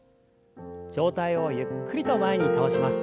上体をゆっくりと前に倒します。